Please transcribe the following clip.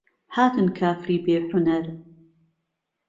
هاتن کافری بیحونەر